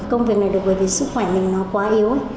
công việc này được bởi vì sức khỏe mình nó quá yếu